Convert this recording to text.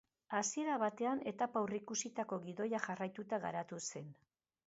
Hasiera batean, etapa aurrikusitako gidoia jarraituta garatu zen.